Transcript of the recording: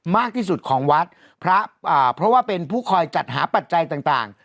มากที่สุดของวัดพระอ่าเพราะว่าเป็นผู้คอยจัดหาปัจจัยต่าง